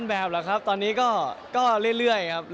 แบบแหละครับตอนนี้ก็เรื่อยครับ